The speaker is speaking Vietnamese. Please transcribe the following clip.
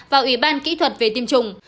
và ủy ban kỹ thuật về tiêm chủng